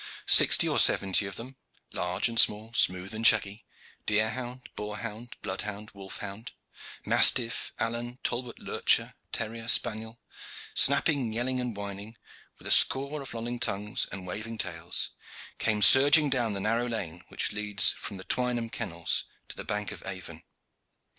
Sixty or seventy of them, large and small, smooth and shaggy deer hound, boar hound, blood hound, wolf hound, mastiff, alaun, talbot, lurcher, terrier, spaniel snapping, yelling and whining, with score of lolling tongues and waving tails, came surging down the narrow lane which leads from the Twynham kennels to the bank of Avon.